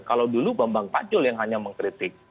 kalau dulu bambang pacul yang hanya mengkritik